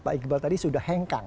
pak iqbal tadi sudah hengkang